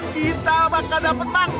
kita bakal dapat mangsa